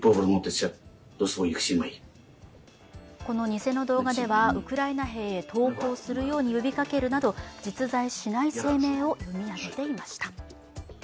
この偽の動画ではウクライナ兵へ投降するように呼びかけるなど、実在しない声明を読み上げていました。